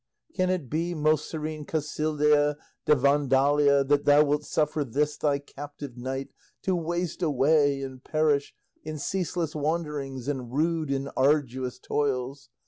can it be, most serene Casildea de Vandalia, that thou wilt suffer this thy captive knight to waste away and perish in ceaseless wanderings and rude and arduous toils?